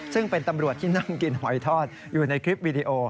ซึ่งเป็นตำรวจที่นั่งกินหอยทอดอยู่ในคลิปวีดีโอ